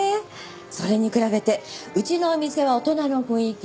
それに比べてうちのお店は大人の雰囲気で落ち着くでしょ？